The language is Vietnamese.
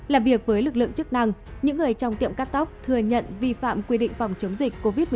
làm việc với lực lượng chức năng những người trong tiệm cắt tóc thừa nhận vi phạm quy định phòng chống dịch covid một mươi chín